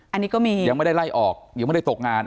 อันนี้ก็มียังไม่ได้ไล่ออกยังไม่ได้ตกงาน